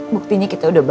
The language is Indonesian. buktinya kita udah berdua